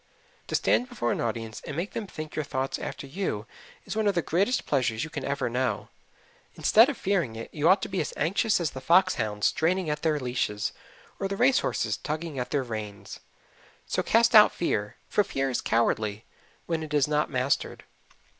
To stand before an audience and make them think your thoughts after you is one of the greatest pleasures you can ever know. Instead of fearing it, you ought to be as anxious as the fox hounds straining at their leashes, or the race horses tugging at their reins. So cast out fear, for fear is cowardly when it is not mastered.